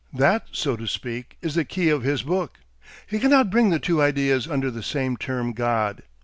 That, so to speak, is the key of his book. He cannot bring the two ideas under the same term God.